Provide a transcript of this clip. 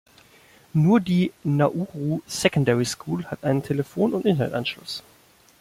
Nur die "Nauru Secondary School" hat einen Telefon- und Internetanschluss.